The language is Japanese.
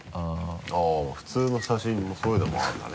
あっ普通の写真もそういうのもあるんだね。